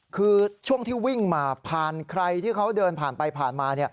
คือช่วงที่วิ่งมาผ่านใครที่เขาเดินผ่านไปผ่านมา